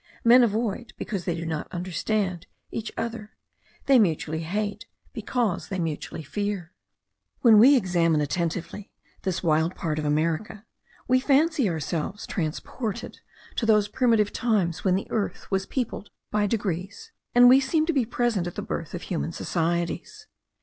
Men avoid, because they do not understand, each other; they mutually hate, because they mutually fear. When we examine attentively this wild part of America, we fancy ourselves transported to those primitive times when the earth was peopled by degrees, and we seem to be present at the birth of human societies.